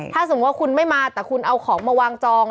ถ้าสมมุติว่าคุณไม่มาแต่คุณเอาของมาวางจอง